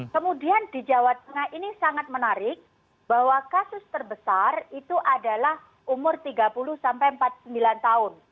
kemudian di jawa tengah ini sangat menarik bahwa kasus terbesar itu adalah umur tiga puluh sampai empat puluh sembilan tahun